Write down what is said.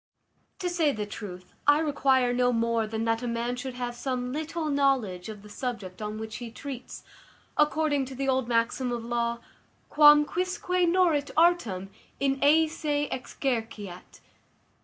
To say the truth, I require no more than that a man should have some little knowledge of the subject on which he treats, according to the old maxim of law, Quam quisque nôrit artem in eâ se exerceat.